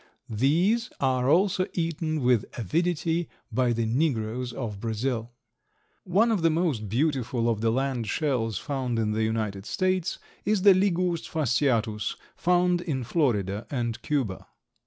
These are also eaten with avidity by the negroes of Brazil. One of the most beautiful of the land shells found in the United States is the Liguus fasciatus, found in Florida and Cuba.